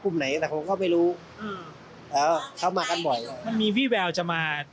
มัรการบนสะพาน